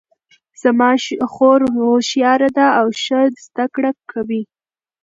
زما خور هوښیاره ده او ښه زده کړه کوي